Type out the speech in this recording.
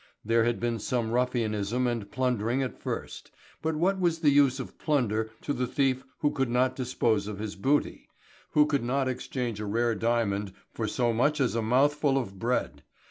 There had been some ruffianism and plundering at first. But what was the use of plunder to the thief who could not dispose of his booty, who could not exchange a rare diamond for so much as a mouthful of bread?